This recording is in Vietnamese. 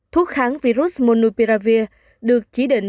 thuốc kháng virus monopiravir được chỉ định